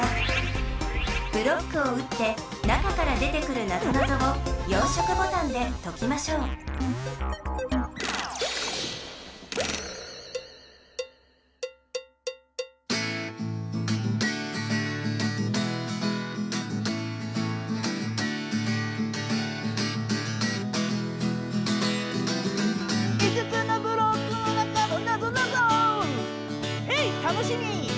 ブロックをうって中から出てくるなぞなぞを４色ボタンでときましょうおわり。